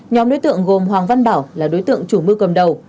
nhóm đối tượng gồm hoàng văn bảo là đối tượng chủ mưu cầm đầu